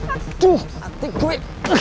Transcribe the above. aduh mati gue